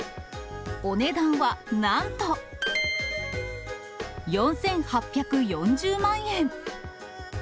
お値段はなんと、４８４０万円。